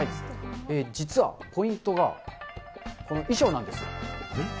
実はポイントが、この衣装なんです。